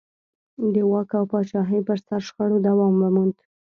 د واک او پاچاهۍ پر سر شخړو دوام وموند.